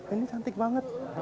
ini cantik banget